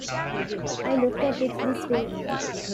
I look at it this way.